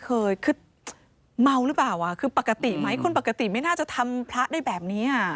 เคยคือเมาหรือเปล่าอ่ะคือปกติไหมคนปกติไม่น่าจะทำพระได้แบบนี้